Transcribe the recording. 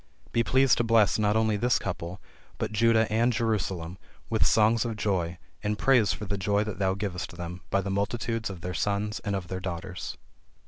Be pleased to bless not only this couple, but Judah and Jerusalem, with songs of joy, and praise for the joy that thou givest them, by the multitudes of their sons and of their daughters."